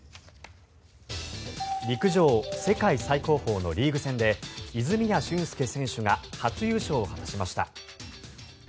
陸上、世界最高峰のリーグ戦で泉谷駿介選手が初優勝を果たしました。